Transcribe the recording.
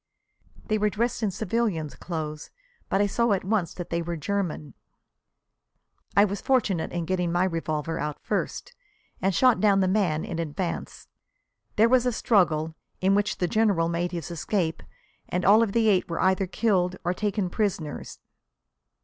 They were dressed in civilians' clothes, but I saw at once that they were German. "I was fortunate in getting my revolver out first, and shot down the man in advance. There was a struggle, in which the General made his escape and all of the eight were either killed or taken prisoners.